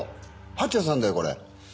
蜂矢さんだよこれ。